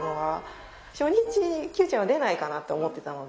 初日臼ちゃんは出ないかなって思ってたので。